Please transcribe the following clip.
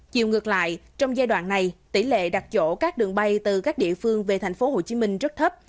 chiều ngược lại trong giai đoạn này tỷ lệ đặt chỗ các đường bay từ các địa phương về tp hcm rất thấp